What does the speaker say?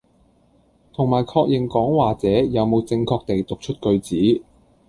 同埋確認講話者有冇正確地讀出句子